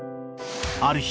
［ある日］